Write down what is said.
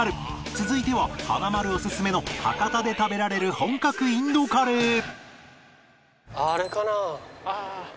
続いては華丸おすすめの博多で食べられる本格インドカレーあれかな？